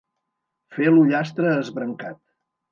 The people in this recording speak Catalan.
Fer l'ullastre esbrancat.